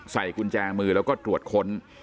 ใส่กุญแจมือแล้วก็ตรวจค้น